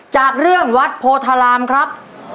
จากเรื่องวัดโพธารามครับ